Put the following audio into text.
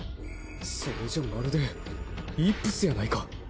それじゃまるでイップスやないか。